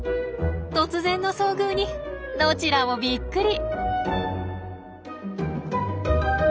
突然の遭遇にどちらもびっくり。